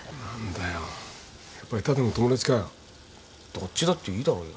どっちだっていいだろうよ